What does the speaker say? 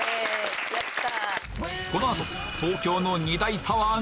やった。